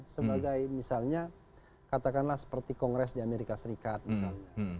sebagai misalnya katakanlah seperti kongres di amerika serikat misalnya